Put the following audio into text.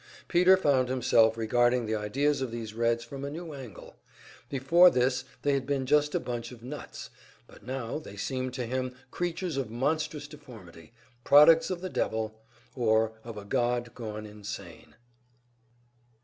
Peter found himself regarding the ideas of these Reds from a new angle; before this they had been just a bunch of "nuts," but now they seemed to him creatures of monstrous deformity, products of the devil, or of a God gone insane.